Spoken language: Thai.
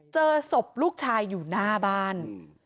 เจอศพลูกชายอยู่หน้าบ้าน